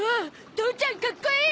父ちゃんかっこいい！